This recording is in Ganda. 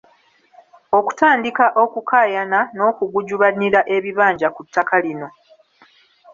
Okutandika okukaayana n’okugujubanira ebibanja ku ttaka lino.